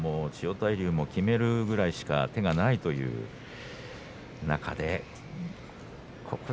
千代大龍もきめるぐらいしか手がないという状態です。